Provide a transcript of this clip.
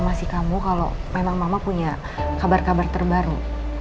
masih kamu kalau memang mama punya kabar kabar terbaru